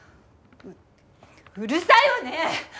ううるさいわね！